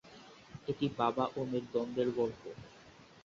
এটি বাবা ও মেয়ের দ্বন্দ্বের গল্প।